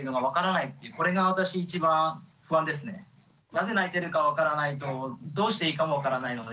なぜ泣いてるか分からないとどうしていいかも分からないので。